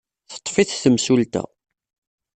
Teḍḍef-it temsulta.